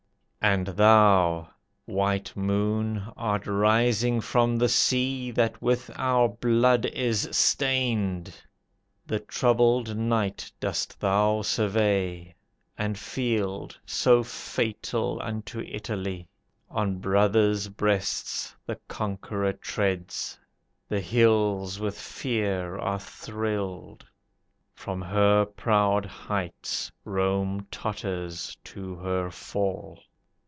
"And thou, white moon, art rising from the sea, That with our blood is stained; The troubled night dost thou survey, And field, so fatal unto Italy. On brothers' breasts the conqueror treads; The hills with fear are thrilled; From her proud heights Rome totters to her fall.